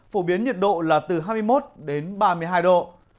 phổ biến nhiệt độ là từ hai mươi một đến ba mươi hai độ